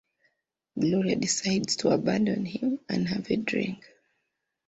Gloria decides to abandon him, and have a drink.